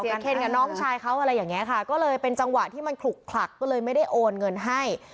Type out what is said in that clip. เคนกับน้องชายเขาอะไรอย่างนี้ค่ะก็เลยเป็นจังหวะที่มันขลุกขลักก็เลยไม่ได้โอนเงินให้